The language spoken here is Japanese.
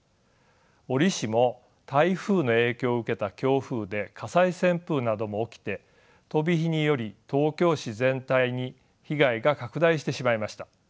折しも台風の影響を受けた強風で火災旋風なども起きて飛び火により東京市全体に被害が拡大してしまいました。